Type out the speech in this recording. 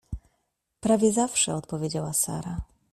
— Prawie zawsze — odpowiedziała Sara.